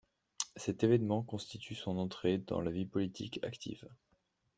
Cet événement constitue son entrée dans la vie politique active.